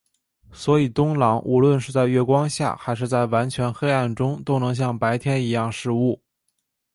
所以冬狼无论是在月光下还是在完全黑暗中都能像白天一样视物。